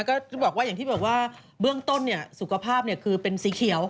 อยู่นะคะก็บอกว่าอย่างที่บอกว่าเบื้องต้นเนี่ยสุขภาพเนี่ยคือเป็นสีเขียว